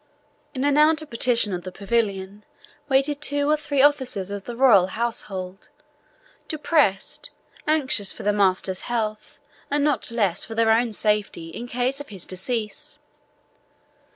In an outer partition of the pavilion waited two or three officers of the royal household, depressed, anxious for their master's health, and not less so for their own safety, in case of his decease.